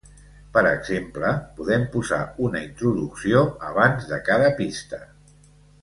Per exemple, podem posar una introducció abans de cada pista.